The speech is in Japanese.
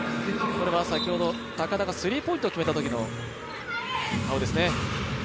先ほど、高田がスリーポイントを決めたときの顔ですね。